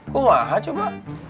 kok gak ada coba